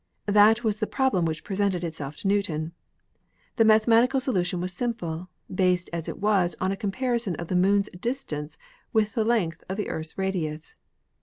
That was the problem which presented itself to Newton. The mathematical solution was simple, based as it was on a comparison of the Moon's distance with the length of the Earth's radius.